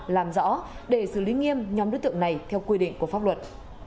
làm rõ để xử lý nghiêm nhóm đối tượng này theo quy định của pháp luật